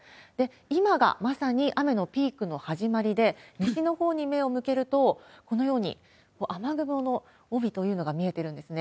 今がまさに雨のピークの始まりで、西のほうに目を向けると、このように雨雲の帯というのが見えてるんですね。